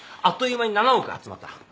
あっという間に７億集まった。